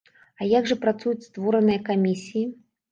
А як жа працуюць створаныя камісіі?